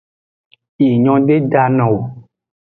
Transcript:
Yi nyo de da no o.